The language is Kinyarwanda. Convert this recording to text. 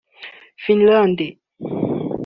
Finland